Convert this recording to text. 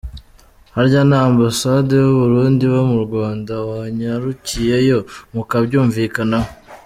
Harya nta ambasade y’Uburundi iba mu Rwanda? Wanyarukiyeyo mukabyumvikanaho.